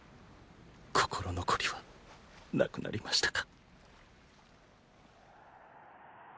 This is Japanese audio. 心残りはなくなりましたか？